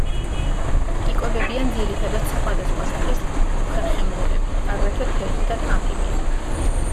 იკვებებიან ძირითადად სხვადასხვა სახის უხერხემლოებით, აგრეთვე თევზითა და ამფიბიებით.